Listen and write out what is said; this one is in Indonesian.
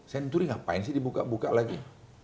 senturi ngapain sih dibuka buka lagi